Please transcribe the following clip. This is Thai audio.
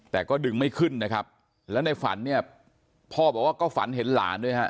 แต่ก็ดึงไม่ขึ้นนะครับแล้วในฝันเนี่ยพ่อบอกว่าก็ฝันเห็นหลานด้วยฮะ